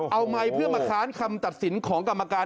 เอาไมค์เพื่อมาค้านคำตัดสินของกรรมการ